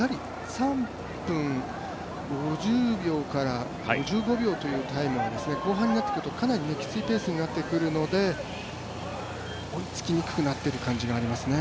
３分５０秒から５５秒というタイムは後半になってくるとかなりきついペースになってくるので追いつきにくくなっている感じがありますね。